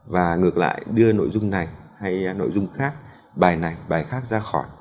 và ngược lại đưa nội dung này hay nội dung khác bài này bài khác ra khỏi